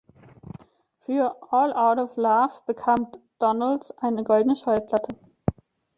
Für "All Out of Love" bekam Donalds eine Goldene Schallplatte.